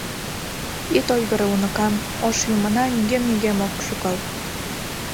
— Ит ойгыро, уныкам, Ош Юмына нигӧм-нигӧм ок шӱкал.